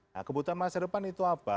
nah kebutuhan masa depan itu apa